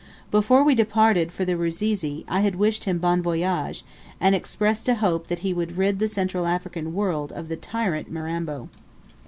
Before we had departed for the Rusizi, I had wished him bon voyage, and expressed a hope that he would rid the Central African world of the tyrant Mirambo.